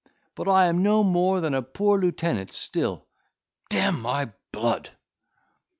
But I am no more than a poor lieutenant still, d—n my blood."